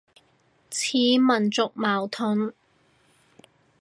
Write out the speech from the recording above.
似民族矛盾